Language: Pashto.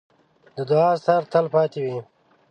د دعا اثر تل پاتې وي.